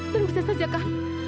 dan bisa saja kan